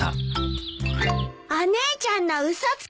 お姉ちゃんの嘘つき！